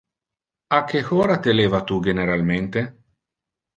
A que hora te leva tu generalmente?